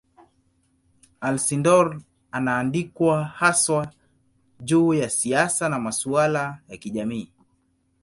Alcindor anaandikwa haswa juu ya siasa na masuala ya kijamii.